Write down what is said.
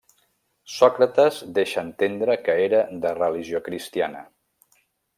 Sòcrates deixa entendre que era de religió cristiana.